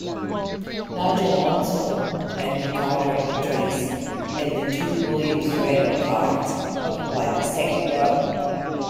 Nigel Mansell and Riccardo Patrese, in the two Williams-Renault cars, occupied the second row.